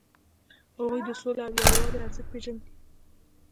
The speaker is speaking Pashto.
هغوی د سولې او یووالي ارزښت پیژندل.